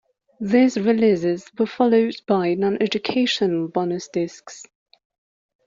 These releases were followed by noneducational bonus discs.